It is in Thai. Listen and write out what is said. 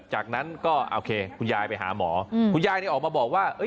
จากนั้นก็โอเคคุณยายไปหาหมอคุณยายเนี่ยออกมาบอกว่า